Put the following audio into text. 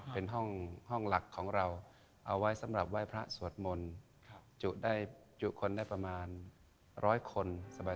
เป็นห้องหลักของเราเอาไว้สำหรับไหว้พระสวดมนต์จุได้จุคนได้ประมาณร้อยคนสบาย